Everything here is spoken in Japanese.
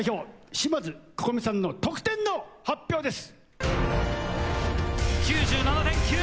島津心美さんの得点の発表です！